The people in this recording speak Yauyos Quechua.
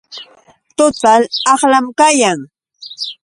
Total aqlam kayan.